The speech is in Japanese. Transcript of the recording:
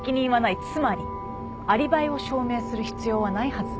つまりアリバイを証明する必要はないはず。